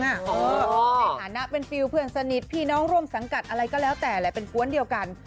ในฐานะเป็นฟิลเพื่อนสนิทพี่น้องร่วมสังกัดอะไรก็แล้วแต่แหละเป็นกวนเดียวกัน